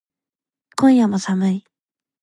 今夜も寒い